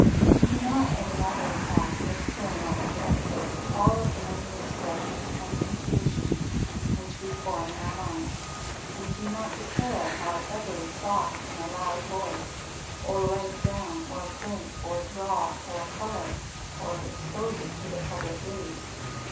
We do not, as a matter of fact, externalize and fix all of the many expressions and intuitions which we form in our mind; we do not declare our every thought in a loud voice, or write down, or print, or draw, or colour, or expose it to the public gaze.